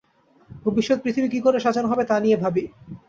ভবিষ্যত পৃথিবী কী করে সাজানাে হবে তা নিয়ে ভাবি।